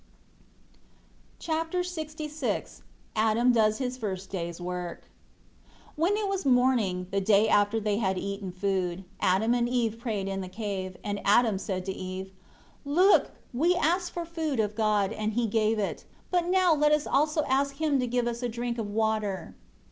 Chapter LXVI Adam does his first day's work. 1 When it was morning, the day after they had eaten food, Adam and Eve prayed in the cave, and Adam said to Eve, "Look, we asked for food of God, and He gave it. But now let us also ask Him to give us a drink of water."